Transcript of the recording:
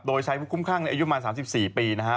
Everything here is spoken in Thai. โดยใช้คุ้มข้างในอายุมา๓๔ปีนะฮะ